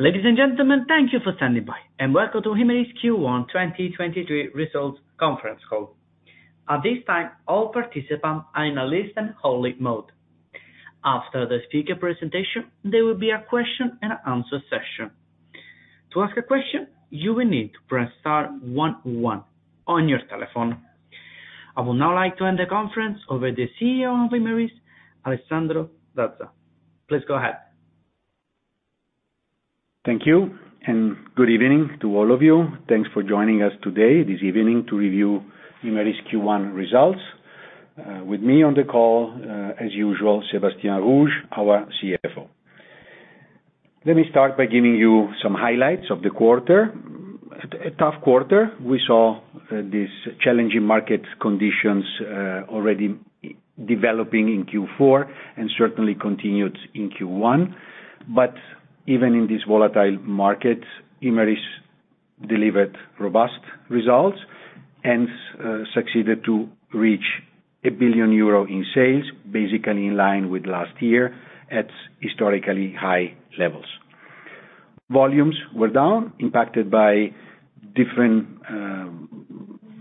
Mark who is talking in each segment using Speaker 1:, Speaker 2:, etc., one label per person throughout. Speaker 1: Ladies and gentlemen, thank you for standing by, welcome to Imerys Q1 2023 Results Conference Call. At this time, all participants are in a listen-only mode. After the speaker presentation, there will be a question and answer session. To ask a question, you will need to press star one one on your telephone. I would now like to hand the conference over to the CEO of Imerys, Alessandro Dazza. Please go ahead.
Speaker 2: Thank you. Good evening to all of you. Thanks for joining us today, this evening to review Imerys Q1 results. With me on the call, as usual, Sébastien Rouge, our CFO. Let me start by giving you some highlights of the quarter. A tough quarter, we saw these challenging market conditions already developing in Q4 and certainly continued in Q1. Even in this volatile market, Imerys delivered robust results and succeeded to reach 1 billion euro in sales, basically in line with last year at historically high levels. Volumes were down, impacted by different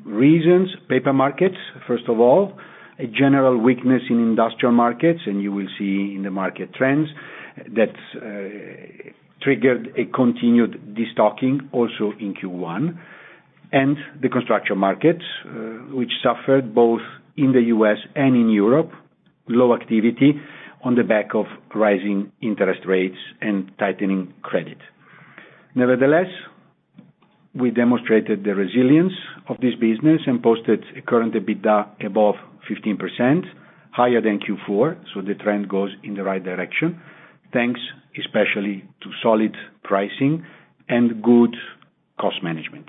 Speaker 2: reasons. Paper markets, first of all, a general weakness in industrial markets, and you will see in the market trends that triggered a continued destocking also in Q1. The construction markets, which suffered both in the U.S. and in Europe, low activity on the back of rising interest rates and tightening credit. Nevertheless, we demonstrated the resilience of this business and posted a current EBITDA above 15%, higher than Q4. The trend goes in the right direction, thanks especially to solid pricing and good cost management.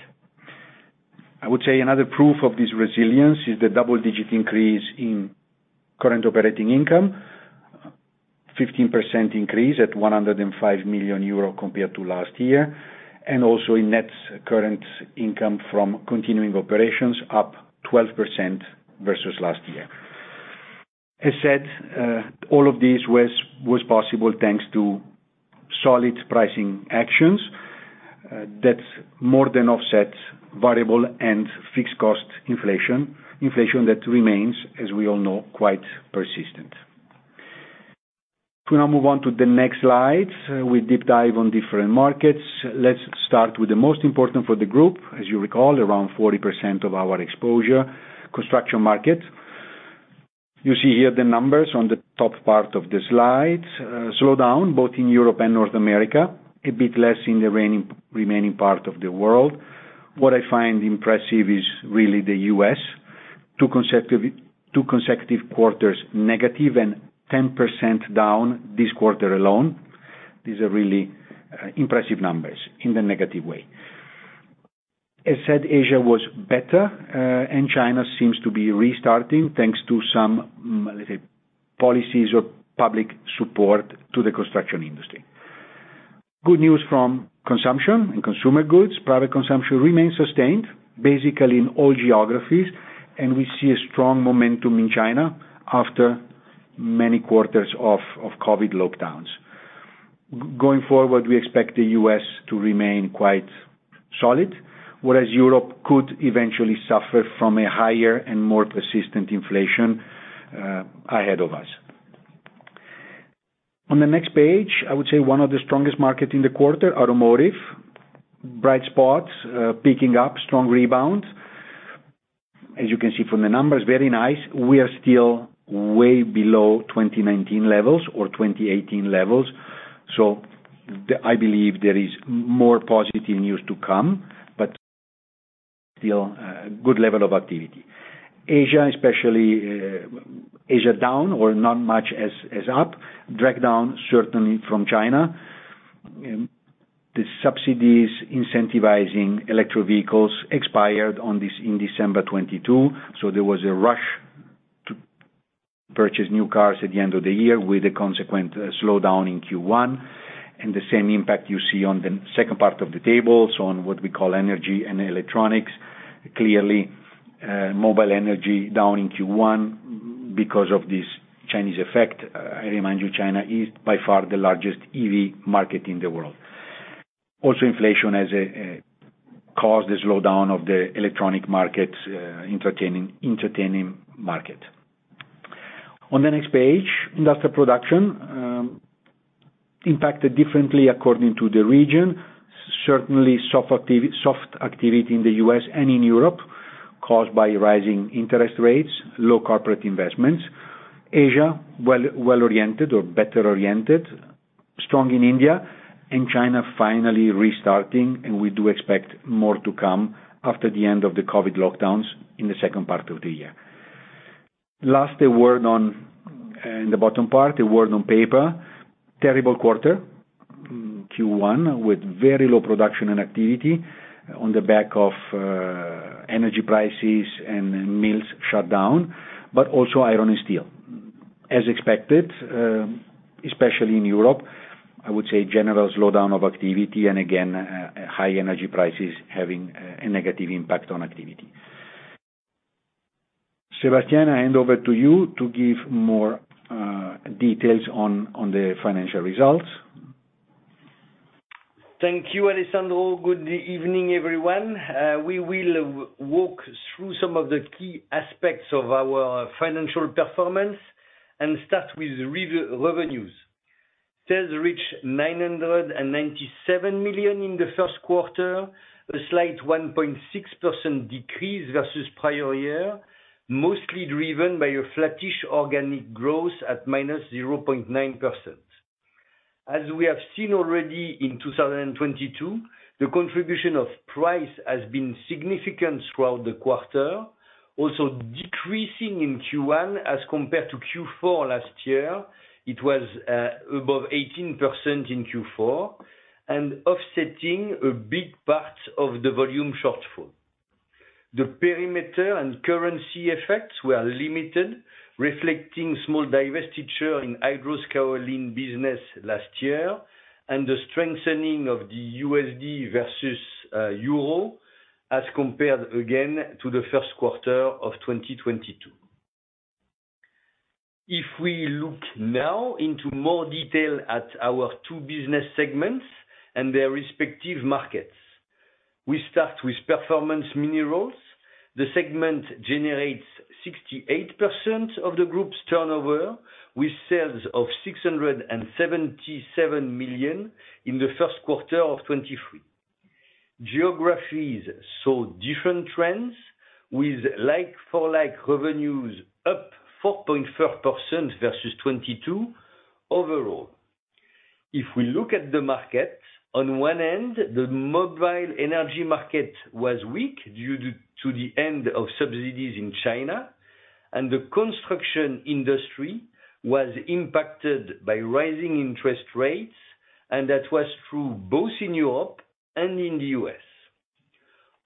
Speaker 2: I would say another proof of this resilience is the double-digit increase in current operating income. 15% increase at 105 million euro compared to last year, and also in net current income from continuing operations up 12% versus last year. As said, all of this was possible thanks to solid pricing actions. That more than offsets variable and fixed cost inflation. Inflation that remains, as we all know, quite persistent. To now move on to the next slide. We deep dive on different markets. Let's start with the most important for the group. As you recall, around 40% of our exposure, construction market. You see here the numbers on the top part of the slide, slow down both in Europe and North America, a bit less in the remaining part of the world. What I find impressive is really the US, 2 consecutive quarters negative and 10% down this quarter alone. These are really impressive numbers in the negative way. As said, Asia was better, and China seems to be restarting thanks to some, let's say, policies or public support to the construction industry. Good news from consumption and consumer goods. Private consumption remains sustained, basically in all geographies, and we see a strong momentum in China after many quarters of COVID lockdowns. Going forward, we expect the US to remain quite solid, whereas Europe could eventually suffer from a higher and more persistent inflation ahead of us. On the next page, I would say one of the strongest market in the quarter, automotive. Bright spots, picking up strong rebound. As you can see from the numbers, very nice. We are still way below 2019 levels or 2018 levels. I believe there is more positive news to come, but still, good level of activity. Asia especially, Asia down or not much as up, dragged down certainly from China. The subsidies incentivizing electro vehicles expired in December 2022. There was a rush to purchase new cars at the end of the year with a consequent slowdown in Q1. The same impact you see on the second part of the tables on what we call energy and electronics. Clearly, Mobile Energy down in Q1 because of this Chinese effect. I remind you, China is by far the largest EV market in the world. Also, inflation has caused a slowdown of the electronic market, entertaining market. On the next page, industrial production, impacted differently according to the region. Certainly soft activity in the U.S. and in Europe, caused by rising interest rates, low corporate investments. Asia, well oriented or better oriented, strong in India and China finally restarting, and we do expect more to come after the end of the COVID lockdowns in the second part of the year. Last, a word on, in the bottom part, a word on paper. Terrible quarter, Q1, with very low production and activity on the back of energy prices and mills shut down, but also iron and steel. As expected, especially in Europe, I would say general slowdown of activity and again, high energy prices having a negative impact on activity. Sébastian, I hand over to you to give more details on the financial results.
Speaker 3: Thank you, Alessandro. Good evening, everyone. We will walk through some of the key aspects of our financial performance and start with revenues. Sales reached 997 million in the first quarter, a slight 1.6% decrease versus prior year, mostly driven by a flattish organic growth at minus 0.9%. As we have seen already in 2022, the contribution of price has been significant throughout the quarter, also decreasing in Q1 as compared to Q4 last year. It was above 18% in Q4 and offsetting a big part of the volume shortfall. The perimeter and currency effects were limited, reflecting small divestiture in hydrous kaolin business last year and the strengthening of the USD versus euro as compared again to the first quarter of 2022. We look now into more detail at our two business segments and their respective markets, we start with Performance Minerals. The segment generates 68% of the group's turnover, with sales of 677 million in the first quarter of 2023. Geographies saw different trends, with like-for-like revenues up 4.5% versus 2022 overall. We look at the market, on one end, the Mobile Energy market was weak due to the end of subsidies in China, and the construction industry was impacted by rising interest rates, and that was true both in Europe and in the U.S.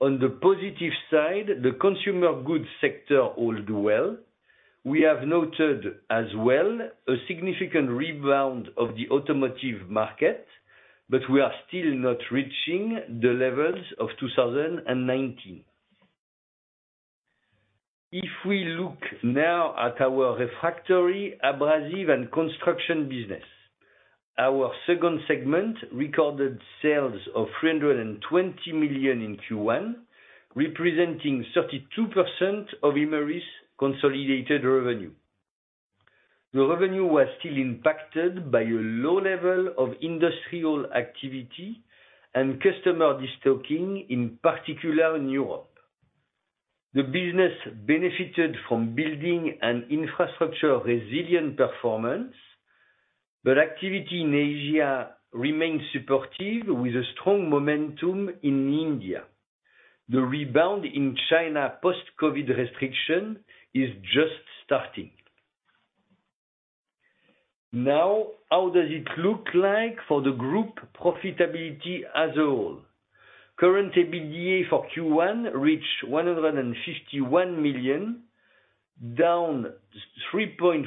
Speaker 3: On the positive side, the consumer goods sector hold well. We have noted as well a significant rebound of the automotive market, but we are still not reaching the levels of 2019. We look now at our refractory, abrasive, and construction business, our second segment recorded sales of 320 million in Q1, representing 32% of Imerys' consolidated revenue. The revenue was still impacted by a low level of industrial activity and customer destocking, in particular in Europe. The business benefited from building and infrastructure resilient performance, but activity in Asia remains supportive with a strong momentum in India. The rebound in China post-COVID restriction is just starting. How does it look like for the group profitability as a whole? Current EBITDA for Q1 reached 151 million, down 3.4%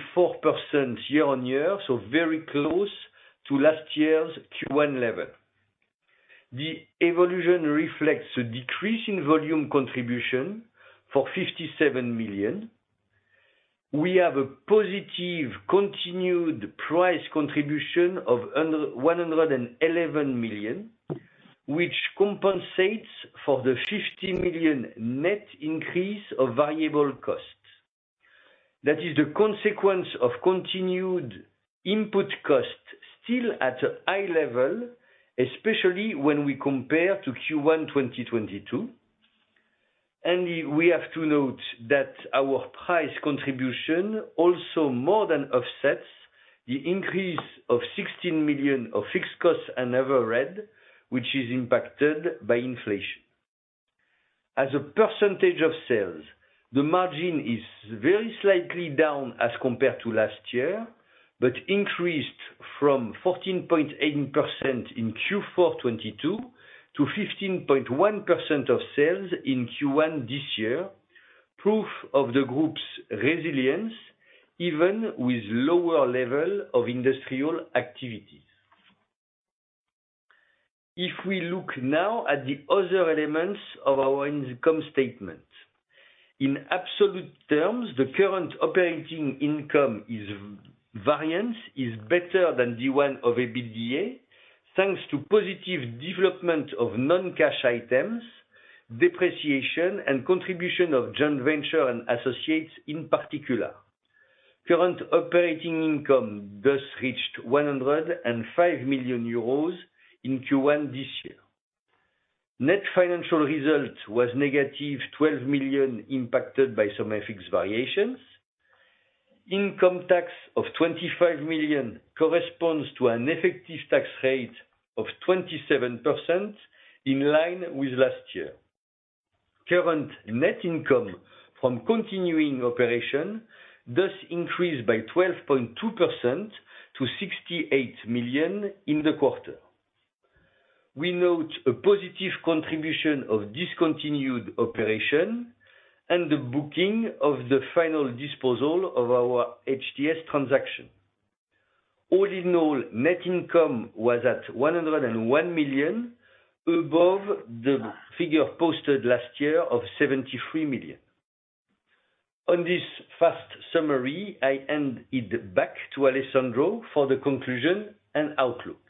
Speaker 3: year-on-year, very close to last year's Q1 level. The evolution reflects a decrease in volume contribution for 57 million. We have a positive continued price contribution of 111 million, which compensates for the 50 million net increase of variable costs. That is the consequence of continued input costs still at a high level, especially when we compare to Q1 2022. We have to note that our price contribution also more than offsets the increase of 16 million of fixed costs and overhead, which is impacted by inflation. As a percentage of sales, the margin is very slightly down as compared to last year, but increased from 14.8% in Q4 2022 to 15.1% of sales in Q1 this year, proof of the group's resilience even with lower level of industrial activities. If we look now at the other elements of our income statement. In absolute terms, the current operating income variance is better than the one of EBITDA, thanks to positive development of non-cash items, depreciation, and contribution of joint ventures and associates in particular. Current operating income thus reached 105 million euros in Q1 this year. Net financial result was negative 12 million, impacted by some FX variations. Income tax of 25 million corresponds to an effective tax rate of 27%, in line with last year. Net current income from continuing operations thus increased by 12.2% to 68 million in the quarter. We note a positive contribution of discontinued operation and the booking of the final disposal of our HTS transaction. Net income was at 101 million, above the figure posted last year of 73 million. On this first summary, I hand it back to Alessandro for the conclusion and outlook.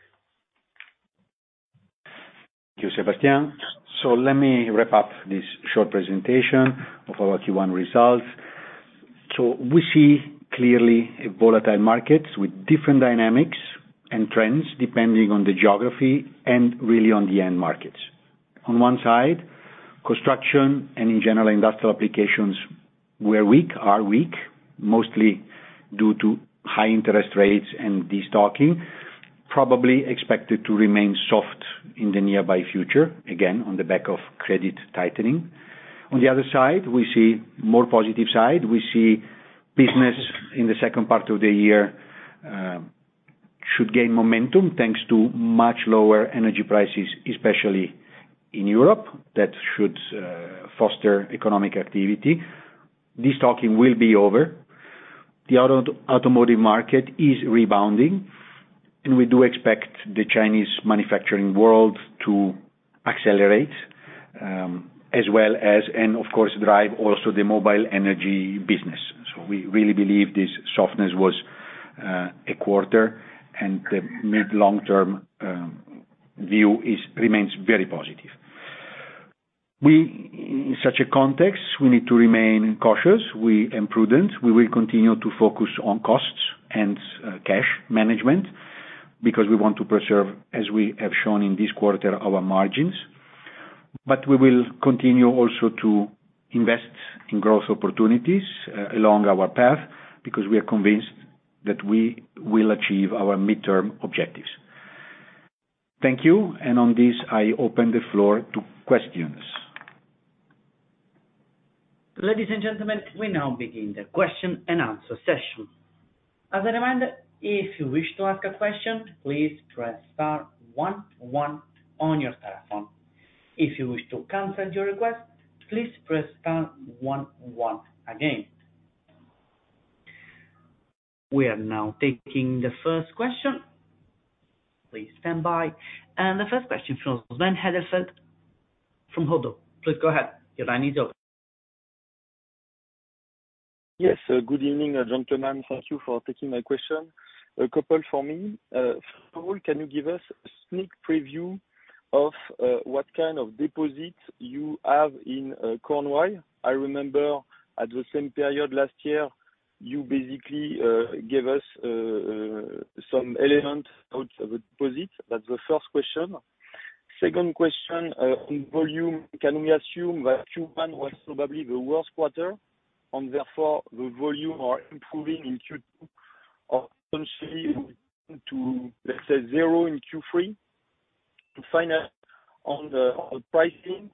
Speaker 2: Thank you, Sébastian. Let me wrap up this short presentation of our Q1 results. We see clearly a volatile market with different dynamics and trends depending on the geography and really on the end markets. On one side, construction and in general, industrial applications were weak, are weak, mostly due to high interest rates, and destocking probably expected to remain soft in the nearby future, again, on the back of credit tightening. On the other side, we see more positive side. We see business in the second part of the year should gain momentum thanks to much lower energy prices, especially in Europe. That should foster economic activity. Destocking will be over. The automotive market is rebounding, and we do expect the Chinese manufacturing world to accelerate, as well as and of course drive also the Mobile Energy business. We really believe this softness was a quarter and the mid long-term view remains very positive. In such a context, we need to remain cautious and prudent. We will continue to focus on costs and cash management because we want to preserve, as we have shown in this quarter, our margins. We will continue also to invest in growth opportunities along our path because we are convinced that we will achieve our midterm objectives. Thank you. On this, I open the floor to questions.
Speaker 1: Ladies and gentlemen, we now begin the question and answer session. As a reminder, if you wish to ask a question, please press star one on your telephone. If you wish to cancel your request, please press star one again. We are now taking the first question. Please stand by. The first question from Sven Edelfelt from Oddo. Please go ahead. Your line is open.
Speaker 4: Yes. Good evening, gentlemen. Thank you for taking my question. A couple for me. First of all, can you give us a sneak preview of what kind of deposits you have in Cornwall? I remember at the same period last year, you basically gave us some element out of the deposit. That's the first question. Second question on volume. Can we assume that Q1 was probably the worst quarter and therefore the volume are improving in Q2 or potentially to, let's say, zero in Q3? Final on the pricing,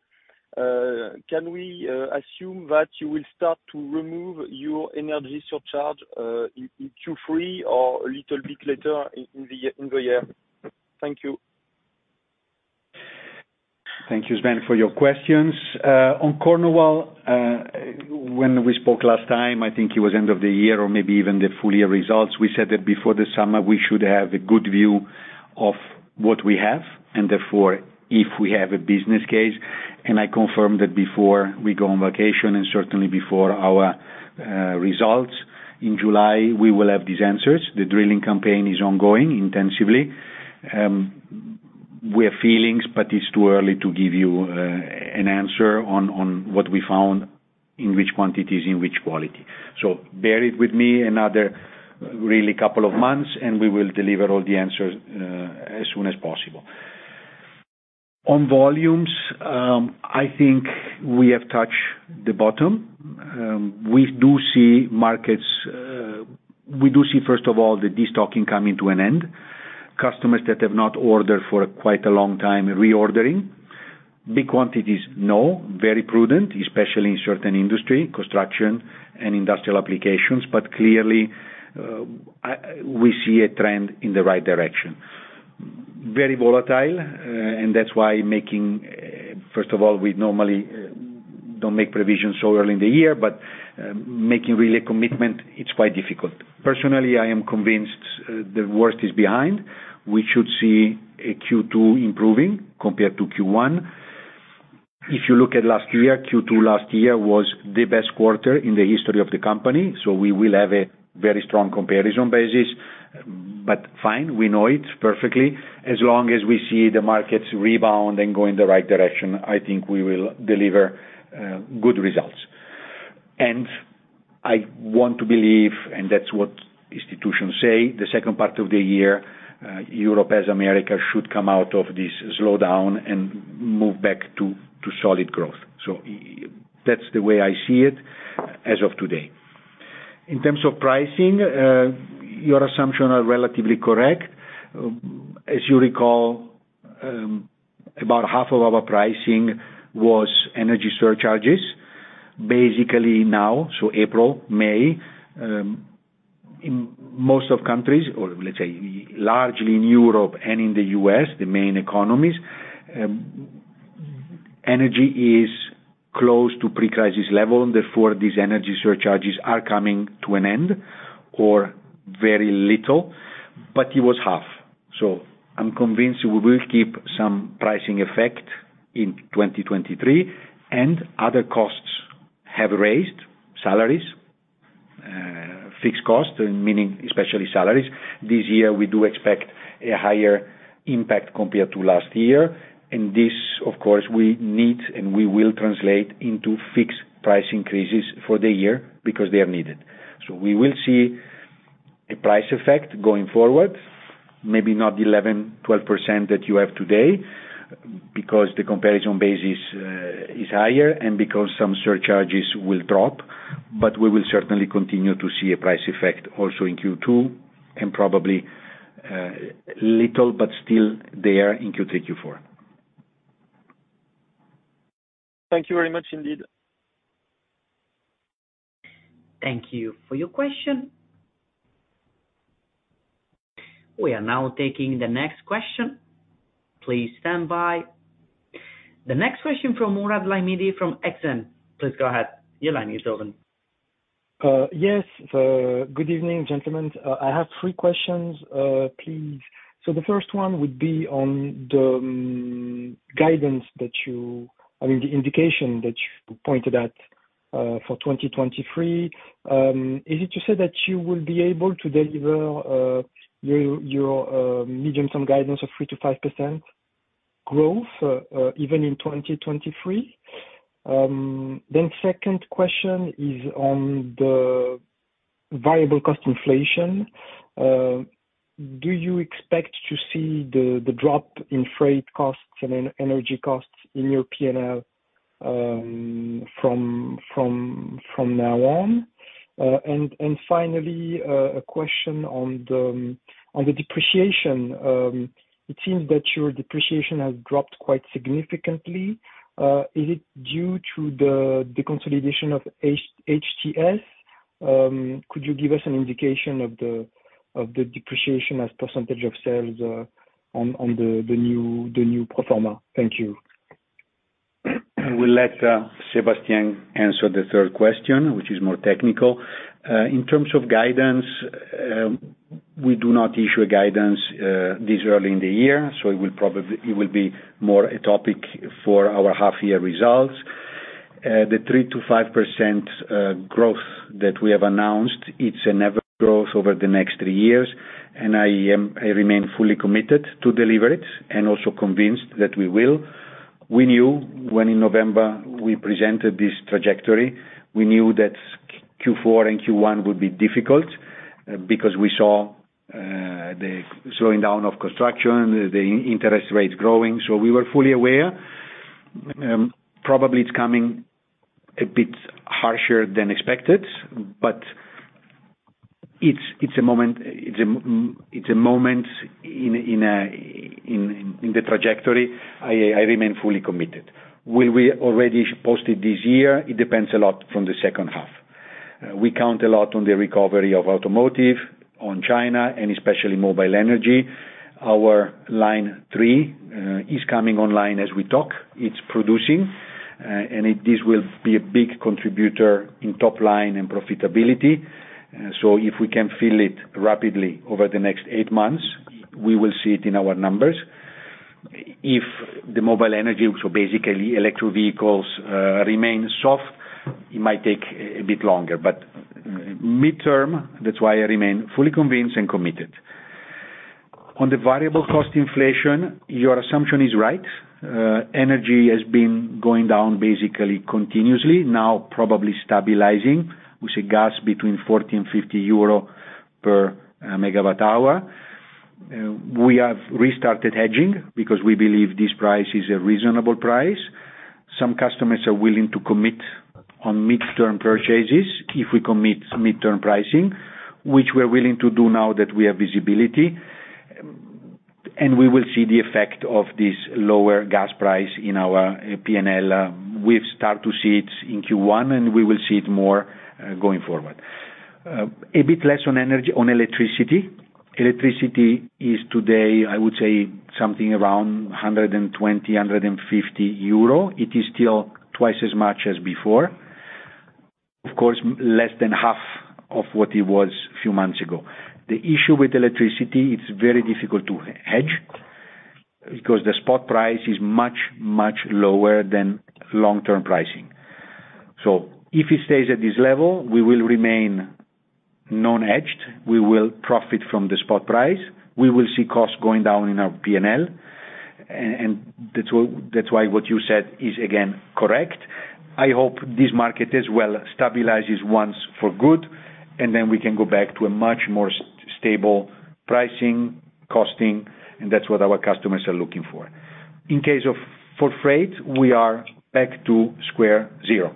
Speaker 4: can we assume that you will start to remove your energy surcharge in Q3 or a little bit later in the year? Thank you.
Speaker 2: Thank you, Sven, for your questions. On Cornwall, when we spoke last time, I think it was end of the year or maybe even the full year results, we said that before the summer we should have a good view of what we have and therefore if we have a business case. I confirm that before we go on vacation and certainly before our results in July, we will have these answers. The drilling campaign is ongoing intensively. We have feelings, but it's too early to give you an answer on what we found in which quantities, in which quality. Bear it with me another really couple of months, and we will deliver all the answers as soon as possible. On volumes, I think we have touched the bottom. We do see markets, we do see, first of all, the destocking coming to an end. Customers that have not ordered for quite a long time reordering. Big quantities, no, very prudent, especially in certain industry, construction and industrial applications. Clearly, we see a trend in the right direction. Very volatile, that's why making, first of all, we normally don't make provisions so early in the year, but making really a commitment, it's quite difficult. Personally, I am convinced, the worst is behind. We should see a Q2 improving compared to Q1. If you look at last year, Q2 last year was the best quarter in the history of the company. We will have a very strong comparison basis. Fine, we know it perfectly. As long as we see the markets rebound and go in the right direction, I think we will deliver good results. I want to believe, and that's what institutions say, the second part of the year, Europe as America should come out of this slowdown and move back to solid growth. That's the way I see it as of today. In terms of pricing, your assumption are relatively correct. As you recall, about half of our pricing was energy surcharges. Basically now, so April, May, in most of countries, or let's say largely in Europe and in the U.S., the main economies, Energy is close to pre-crisis level. Therefore, these energy surcharges are coming to an end or very little, but it was half. I'm convinced we will keep some pricing effect in 2023. Other costs have raised, salaries, fixed costs, meaning especially salaries. This year, we do expect a higher impact compared to last year. This, of course, we need and we will translate into fixed price increases for the year because they are needed. We will see a price effect going forward, maybe not 11%, 12% that you have today because the comparison base is higher and because some surcharges will drop. We will certainly continue to see a price effect also in Q2 and probably little but still there in Q3, Q4.
Speaker 4: Thank you very much indeed.
Speaker 1: Thank you for your question. We are now taking the next question. Please stand by. The next question from Mourad Lahmidi from Exane. Please go ahead. Your line is open.
Speaker 5: Yes. Good evening, gentlemen. I have three questions, please. The first one would be on the indication that you pointed at for 2023. Is it to say that you will be able to deliver your medium-term guidance of 3%-5% growth even in 2023? Second question is on the variable cost inflation. Do you expect to see the drop in freight costs and energy costs in your P&L from now on? Finally, a question on the depreciation. It seems that your depreciation has dropped quite significantly. Is it due to the consolidation of HTS? Could you give us an indication of the depreciation as % of sales on the new pro forma? Thank you.
Speaker 2: I will let Sébastien answer the third question, which is more technical. In terms of guidance, we do not issue a guidance this early in the year, so it will be more a topic for our half-year results. The 3%-5% growth that we have announced, it's an average growth over the next 3 years, and I remain fully committed to deliver it and also convinced that we will. We knew when in November we presented this trajectory, we knew that Q4 and Q1 would be difficult because we saw the slowing down of construction, the interest rates growing. We were fully aware. Probably it's coming a bit harsher than expected, but it's a moment, it's a moment in a, in the trajectory. I remain fully committed. Will we already post it this year? It depends a lot from the second half. We count a lot on the recovery of automotive, on China, and especially Mobile Energy. Our line three is coming online as we talk. It's producing, and this will be a big contributor in top line and profitability. If we can fill it rapidly over the next 8 months, we will see it in our numbers. If the Mobile Energy, so basically electric vehicles, remain soft, it might take a bit longer. Midterm, that's why I remain fully convinced and committed. On the variable cost inflation, your assumption is right. Energy has been going down basically continuously, now probably stabilizing. We see gas between 40 and 50 euro per megawatt hour. We have restarted hedging because we believe this price is a reasonable price. Some customers are willing to commit on midterm purchases if we commit midterm pricing, which we're willing to do now that we have visibility. We will see the effect of this lower gas price in our P&L. We've start to see it in Q1, and we will see it more going forward. A bit less on energy, on electricity. Electricity is today, I would say, something around 120, 150 euro. It is still twice as much as before. Of course, less than half of what it was a few months ago. The issue with electricity, it's very difficult to hedge because the spot price is much, much lower than long-term pricing. If it stays at this level, we will remain non-hedged. We will profit from the spot price. We will see costs going down in our P&L. And that's why what you said is again correct. I hope this market as well stabilizes once for good, and then we can go back to a much more stable pricing, costing, and that's what our customers are looking for. For freight, we are back to square zero.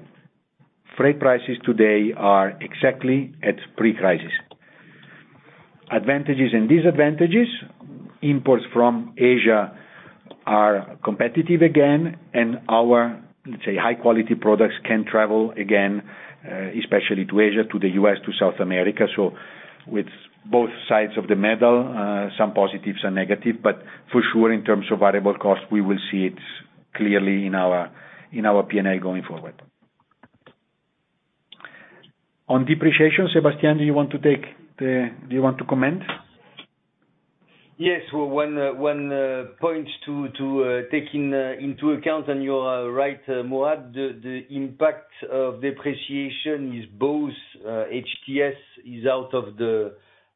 Speaker 2: Freight prices today are exactly at pre-crisis. Advantages and disadvantages, imports from Asia are competitive again and our, let's say, high-quality products can travel again, especially to Asia, to the US, to South America. With both sides of the medal, some positives and negative, but for sure, in terms of variable cost, we will see it clearly in our, in our P&L going forward. On depreciation, Sébastian, do you want to comment?
Speaker 3: Yes. Well, one point to take into account, and you are right, Mourad, the impact of depreciation is both HTS is out of the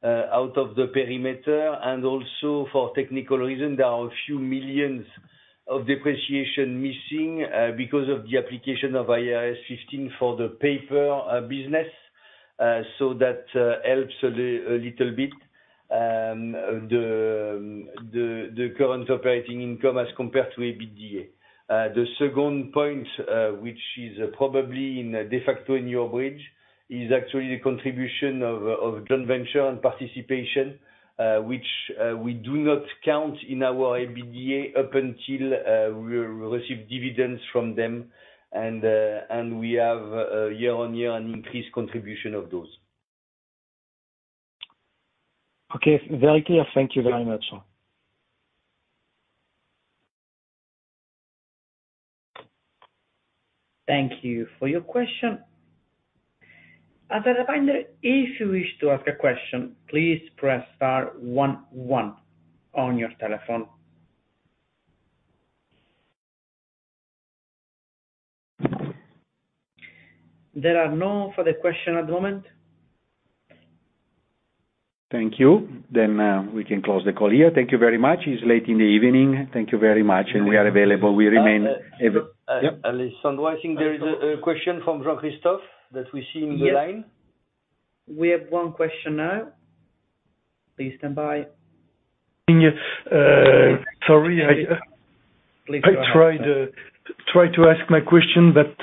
Speaker 3: perimeter. Also for technical reason, there are a few millions of depreciation missing because of the application of IFRS 5 for the paper business. So that helps a little bit the current operating income as compared to EBITDA. The second point, which is probably de facto in your bridge, is actually the contribution of joint venture and participation, which we do not count in our EBITDA up until we receive dividends from them. We have year-on-year an increased contribution of those.
Speaker 5: Okay. Very clear. Thank you very much.
Speaker 1: Thank you for your question. As a reminder, if you wish to ask a question, please press star one one on your telephone. There are no further question at the moment.
Speaker 2: Thank you. we can close the call here. Thank you very much. It's late in the evening. Thank you very much. we are available. We remain avail-
Speaker 3: Alessandro, I think there is a question from Jean-Christophe that we see in the line.
Speaker 1: We have one question now. Please stand by.
Speaker 6: Yeah. Sorry.
Speaker 1: Please go ahead, sir.
Speaker 6: I tried to ask my question, but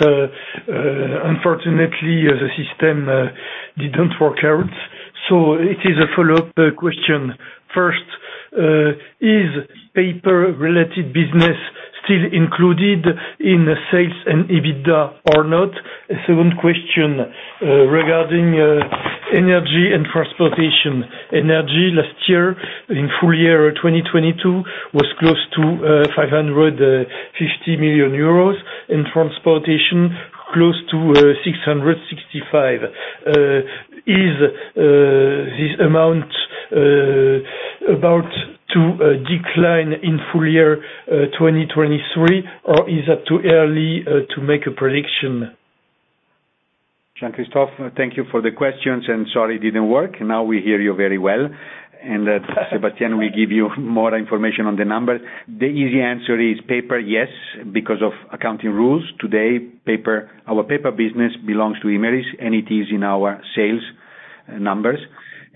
Speaker 6: unfortunately, the system didn't work out. It is a follow-up question. First, is paper-related business still included in the sales and EBITDA or not? A second question regarding energy and transportation. Energy last year in full year 2022 was close to 550 million euros. In transportation, close to 665 million. Is this amount about to decline in full year 2023, or is it too early to make a prediction?
Speaker 2: Jean-Christophe, thank you for the questions, sorry it didn't work. Now we hear you very well. Sébastian will give you more information on the number. The easy answer is paper, yes, because of accounting rules. Today our paper business belongs to Imerys, it is in our sales numbers.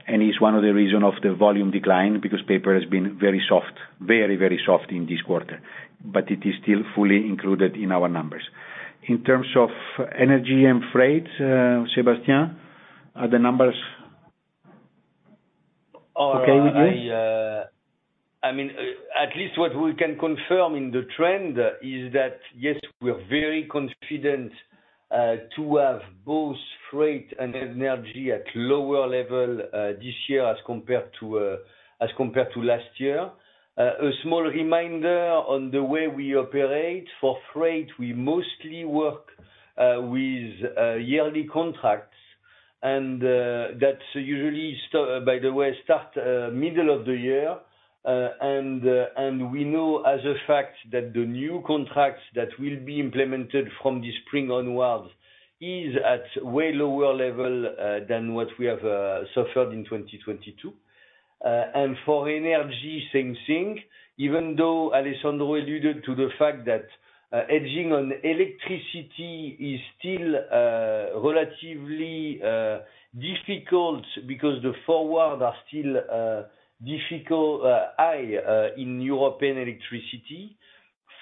Speaker 2: It's one of the reason of the volume decline because paper has been very soft in this quarter. It is still fully included in our numbers. In terms of energy and freight, Sébastian, are the numbers okay with you?
Speaker 3: I mean, at least what we can confirm in the trend is that yes, we are very confident to have both freight and energy at lower level this year as compared to last year. A small reminder on the way we operate. For freight, we mostly work with yearly contracts. That's usually by the way, start middle of the year. And we know as a fact that the new contracts that will be implemented from the spring onwards is at way lower level than what we have suffered in 2022. For energy, same thing, even though Alessandro alluded to the fact that edging on electricity is still relatively difficult because the forward are still difficult, high in European electricity.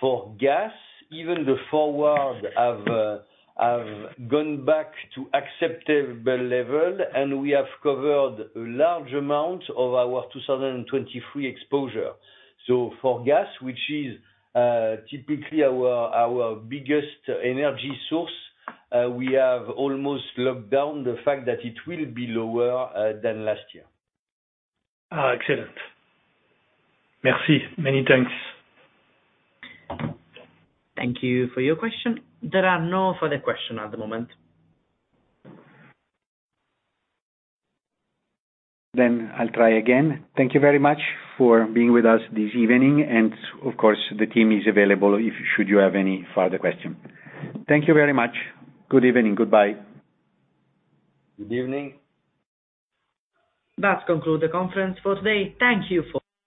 Speaker 3: For gas, even the forward have gone back to acceptable level. We have covered a large amount of our 2023 exposure. For gas, which is typically our biggest energy source, we have almost locked down the fact that it will be lower than last year.
Speaker 6: Excellent. Merci. Many thanks.
Speaker 1: Thank you for your question. There are no further question at the moment.
Speaker 2: I'll try again. Thank you very much for being with us this evening. Of course, the team is available if should you have any further question. Thank you very much. Good evening. Goodbye.
Speaker 3: Good evening.
Speaker 1: That conclude the conference for today. Thank you.